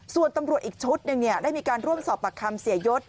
ส่วนตำรวจอีกชุดหนึ่งได้มีการร่วมสอบปากคำเสียยศ